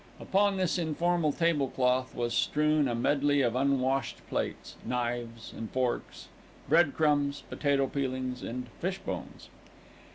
Upon this informal tablecloth was strewn a medley of unwashed plates, knives and forks, bread crumbs, potato peelings and fish bones.